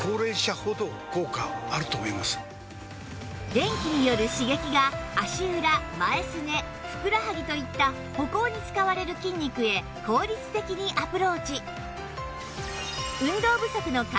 電気による刺激が足裏前すねふくらはぎといった歩行に使われる筋肉へ効率的にアプローチ